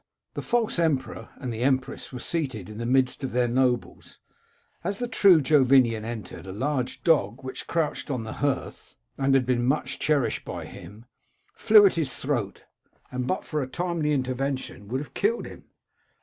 " The false emperor and the empress were seated in the midst of their nobles. As the true Jovinian entered, a large dog, which crouched on the hearth, and had been much cherished by him, flew at his throat, and but for timely intervention would have killed him.